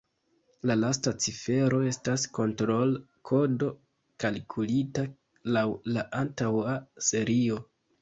La lasta cifero estas kontrol-kodo kalkulita laŭ la antaŭa serio.